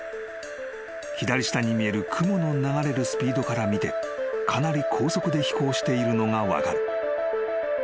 ［左下に見える雲の流れるスピードからみてかなり高速で飛行しているのが分かる］